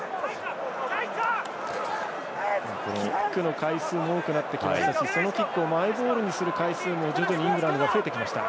キックの回数も多くなってきましたしそのキックをマイボールにする回数も、徐々にイングランドが増えてきました。